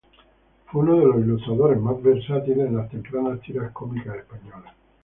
Fue uno de los ilustradores más versátiles en las tempranas tiras cómicas españolas.